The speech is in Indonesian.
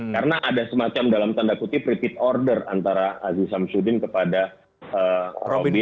karena ada semacam dalam tanda kutip repeat order antara aziz syamsuddin kepada robin patuju